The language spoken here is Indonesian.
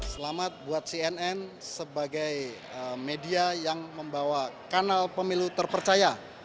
selamat buat cnn sebagai media yang membawa kanal pemilu terpercaya